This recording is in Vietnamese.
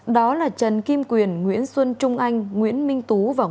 đó là trần kim quyền nguyễn xuân trung anh nguyễn minh tú và nguyễn